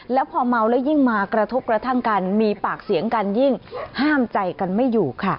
แล้วพอเมาแล้วยิ่งมากระทบกระทั่งกันมีปากเสียงกันยิ่งห้ามใจกันไม่อยู่ค่ะ